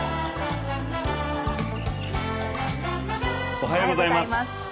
おはようございます。